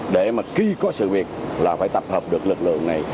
để mà khi có sự việc là phải tập hợp được lực lượng này